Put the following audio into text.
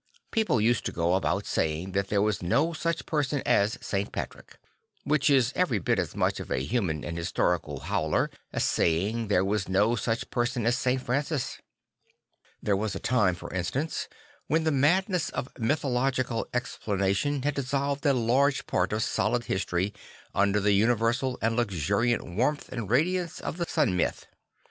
People used to go about saying that there \vas no such person as St. Patrick; which is every bit as much of a human and historical howler as saying there was no such person as St. Francis. There was a time, for instance, when the madness of mythological explanation had dissolved a large part of solid history under the universal and luxuriant warmth and radiance of the Sun Myth.